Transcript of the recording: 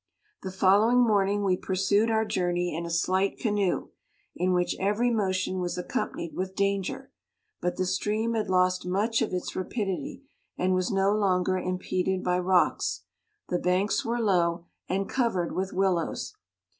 The following morning we pursued our journey in a slight canoe, in which every motion was accompanied with danger ; but the stream had lost much of its rapidity, and was no longer im peded by rocks, the banks were low, and covered with willows.